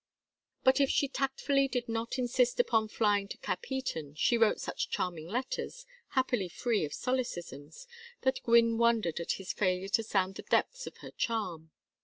But if she tactfully did not insist upon flying to Capheaton, she wrote such charming letters, happily free of solecisms, that Gwynne wondered at his failure to sound the depths of her charm.